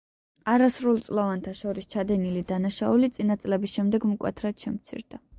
არასრულწლოვანთა შორის ჩადენილი დანაშაული წინა წლების შემდეგ მკვეთრად შემცირდა.